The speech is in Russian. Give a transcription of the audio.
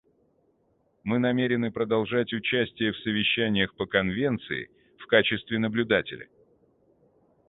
Мы намерены продолжать участие в совещаниях по Конвенции в качестве наблюдателя.